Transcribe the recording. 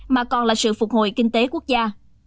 mà còn là sự phục hồi kinh tế quốc gia